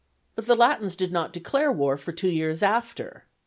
But the Latins did not declare war for two years after.